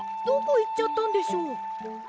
どこいっちゃったんでしょう？